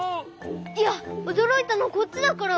いやおどろいたのこっちだから！